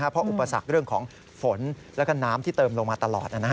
เพราะอุปสรรคเรื่องของฝนแล้วก็น้ำที่เติมลงมาตลอด